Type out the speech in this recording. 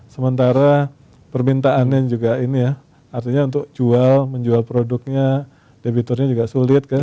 sementara permintaannya juga ini ya artinya untuk jual menjual produknya debiturnya juga sulit kan